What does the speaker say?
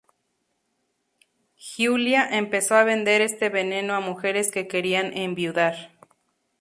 Giulia empezó a vender este veneno a mujeres que querían enviudar.